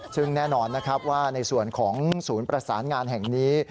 ซึ่งแน่นอนนะครับว่าในส่วนของศูนย์ประสานงานแห่งนี้